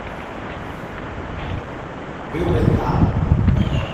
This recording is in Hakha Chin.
A ka a aang kho lo.